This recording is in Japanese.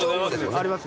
あります